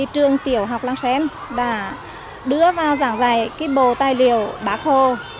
trường tiểu học làng xen đã đưa vào giảng dạy bồ tài liệu bá khô